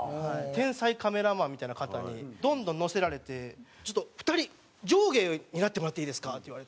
天才カメラマンみたいな方にどんどん乗せられて「２人上下になってもらっていいですか？」って言われて。